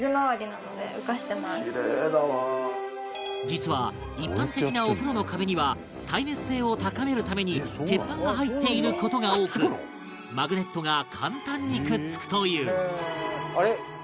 実は一般的なお風呂の壁には耐熱性を高めるために鉄板が入っている事が多くマグネットが簡単にくっつくという